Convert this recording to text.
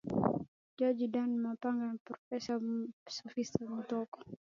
Jaji Dan Mapigano Profesa Sospiter Muhongo